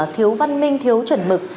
thiếu văn minh thiếu chuẩn mực